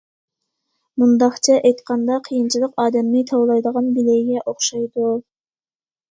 مۇنداقچە ئېيتقاندا قىيىنچىلىق ئادەمنى تاۋلايدىغان بىلەيگە ئوخشايدۇ.